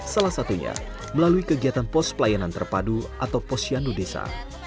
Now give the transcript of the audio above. salah satunya melalui kegiatan pos pelayanan terpadu atau posyandu desa